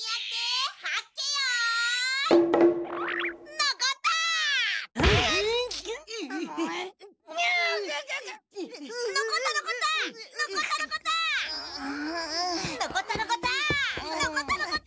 のこったのこった！